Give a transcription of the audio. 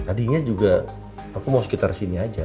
tadinya juga aku mau sekitar sini aja